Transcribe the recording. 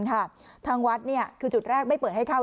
ทางวัดคือจุดแรกไม่เปิดให้เข้า